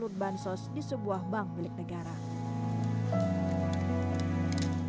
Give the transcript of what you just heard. penyelur bantuan sosial di sebuah bank milik negara